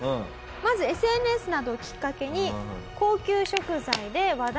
まずＳＮＳなどをきっかけに。